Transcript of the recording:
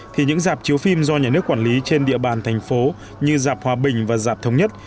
thì những dạp chiếu phim do nhà nước quản lý trên địa bàn thành phố như dạp hòa bình và dạp thống nhất